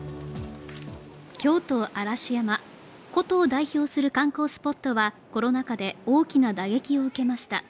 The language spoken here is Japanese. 京都・嵐山、古都を代表する観光スポットはコロナ禍で大きな打撃を受けました。